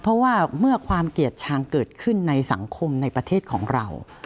เพราะว่าเมื่อความเกลียดชังเกิดขึ้นในสังคมในประเทศของเรา